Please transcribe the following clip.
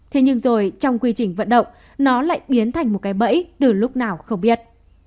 thế nhưng rồi trong quy trình vận động nó lại biến thành một cái bẫy từ lúc nào không biết